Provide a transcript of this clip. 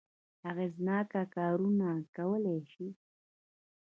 اغېزناک کارونه کولای شي.